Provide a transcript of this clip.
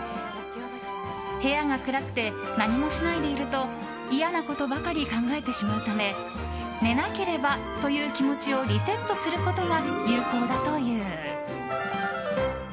部屋が暗くて何もしないでいると嫌なことばかり考えてしまうため寝なければという気持ちをリセットすることが有効だという。